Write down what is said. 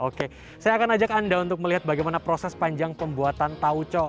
oke saya akan ajak anda untuk melihat bagaimana proses panjang pembuatan tauco